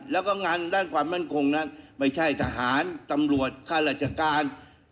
แล้วก็งานด้านความมั่นคงนั้นไม่ใช่ทหารตำรวจค่าราชการ